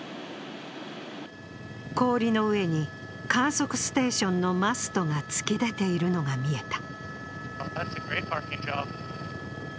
氷の上に観測ステーションのマストが突き出ているのが見えた。